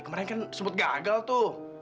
sempet gagal tuh